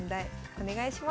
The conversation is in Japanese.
お願いします。